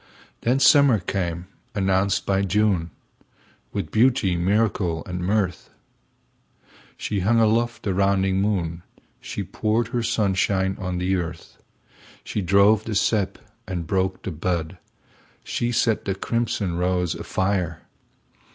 Then summer came, announced by June, With beauty, miracle and mirth. She hung aloft the rounding moon, She poured her sunshine on the earth, She drove the sap and broke the bud, She set the crimson rose afire.